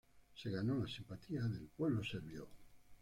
Se ganó la simpatía del pueblo serbio.